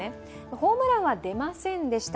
ホームランは出ませんでした。